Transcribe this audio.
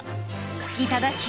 いただき！